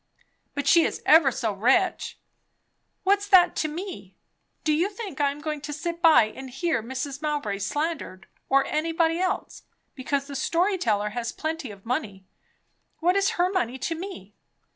"But she is ever so rich." "What's that to me? Do you think I am going to sit by and hear Mrs. Mowbray slandered, or anybody else, because the story teller has plenty of money? What is her money to me?"